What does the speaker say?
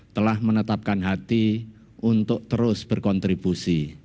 telah menetapkan hati untuk terus berkontribusi